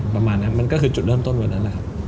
ประมาณนั้นมันก็คือจุดเริ่มต้นวันนั้นแหละครับ